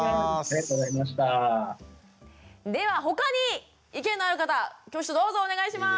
では他に意見のある方挙手どうぞお願いします。